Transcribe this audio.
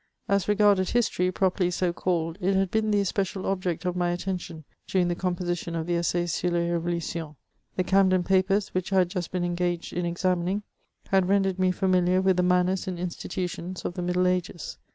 As regarded history, properly so called, it had been the especial object of my attention during the composition of the Essai sur les Revolutions. The Camden Papers, which I had just been engaged in examining, had rendered me fami liar with the manners and institutions of the middle ages.